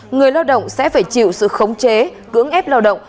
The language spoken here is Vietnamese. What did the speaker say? người lao động sẽ phải chịu sự khống chế cưỡng ép lao động